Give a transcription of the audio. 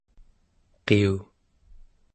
qiu